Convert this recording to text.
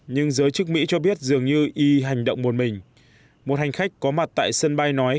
nhưng giới chức mỹ cho biết dường như y hành động một mình một hành khách có mặt tại sân bay nói